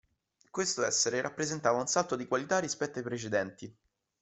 Questo essere rappresentava un salto di qualità rispetto ai precedenti.